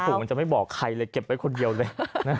มันจะไม่บอกใครเลยเก็บไว้คนเดียวเลย